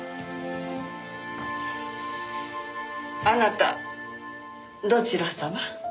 あなたどちらさま？